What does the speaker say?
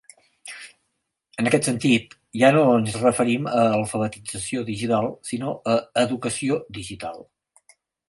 En aquest sentit, ja no ens referim a alfabetització digital sinó a educació digital.